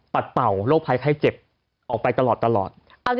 เป่าโรคภัยไข้เจ็บออกไปตลอด